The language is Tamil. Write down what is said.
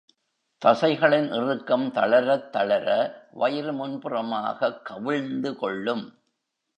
தசைகளின் இறுக்கம் தளரத் தளர, வயிறு முன்புறமாகக் கவிழ்ந்து கொள்ளும்.